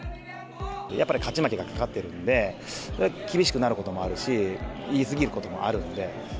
やっぱり勝ち負けがかかってるんで、厳しくなることもあるし、言い過ぎることもあるんで。